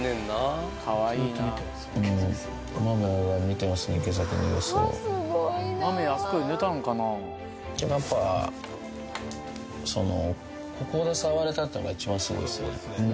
でもやっぱそのここで触れたっていうのが一番すごいですね。